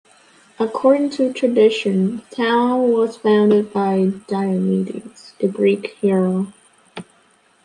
According to tradition, the town was founded by Diomedes, the Greek hero.